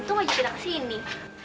untung wajib kita kesini